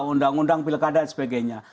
undang undang pilkada dan sebagainya